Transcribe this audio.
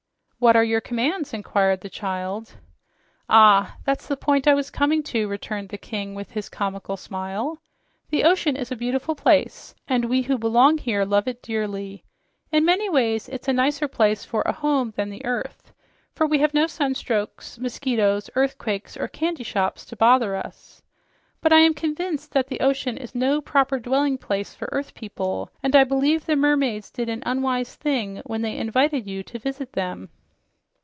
"What are your commands?" inquired the child. "Ah, that's the point I was coming to," returned the King with his comical smile. "The ocean is a beautiful place, and we who belong here love it dearly. In many ways it's a nicer place for a home than the earth, for we have no sunstroke, mosquitoes, earthquakes or candy ships to bother us. But I am convinced that the ocean is no proper dwelling place for earth people, and I believe the mermaids did an unwise thing when they invited you to visit them."